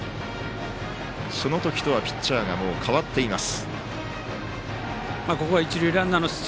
その時とはピッチャーが代わっています。